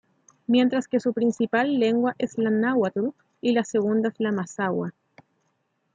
Mientras que su principal lengua es la Náhuatl y la segunda es la Mazahua.